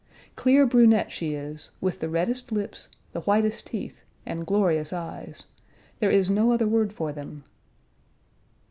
Clear brunette she is, with the reddest lips, the whitest teeth, and glorious eyes; there is no other word for them.